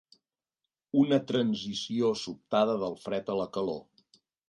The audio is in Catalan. Una transició sobtada del fred a la calor.